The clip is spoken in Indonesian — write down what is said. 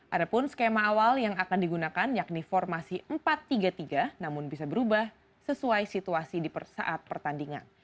ada pun skema awal yang akan digunakan yakni formasi empat tiga tiga namun bisa berubah sesuai situasi di saat pertandingan